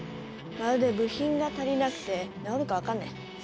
まるで部品が足りなくて直るか分かんねえ。